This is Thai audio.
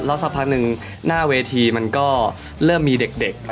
สักพักหนึ่งหน้าเวทีมันก็เริ่มมีเด็ก